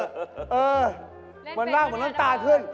เออเวลาเหมือนตากลวย